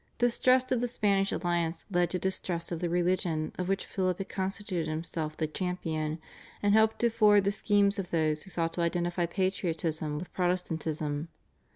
Distrust of the Spanish alliance led to distrust of the religion of which Philip had constituted himself the champion, and helped to forward the schemes of those who sought to identify patriotism with Protestantism.